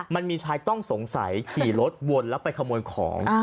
มันมีชายต้องสงสัยขี่รถวนแล้วไปขโมยของ